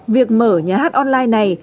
việc mở nhà hát online này